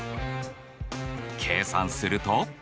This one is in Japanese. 計算すると。